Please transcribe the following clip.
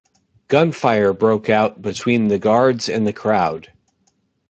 Gunfire broke out between the guards and the crowd.